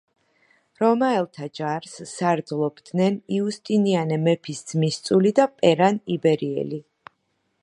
რომაელთა ჯარს სარდლობდნენ იუსტინიანე მეფის ძმისწული და პერან იბერიელი.